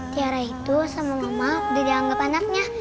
tiara itu sama mama udah dianggap anaknya